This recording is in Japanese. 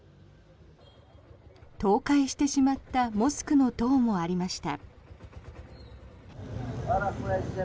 倒壊してしまったモスクの塔もありました。